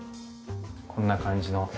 こんな感じの。